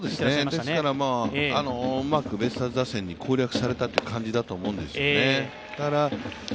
ですからうまくベイスターズ打線に攻略された感じだと思うんですよね。